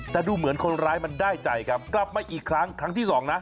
แต่ดูเหมือนคนร้ายมันได้ใจครับกลับมาอีกครั้งครั้งที่สองนะ